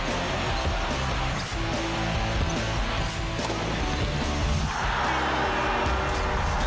โอ้โอ้โอ้โอ้